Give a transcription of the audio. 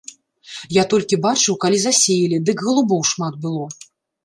Я толькі бачыў, калі засеялі, дык галубоў шмат было.